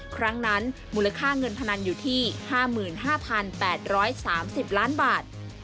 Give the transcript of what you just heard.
ครั้งนั้นมูลค่าเงินพนันอยู่ที่๕๕๘๓๐ล้านบาท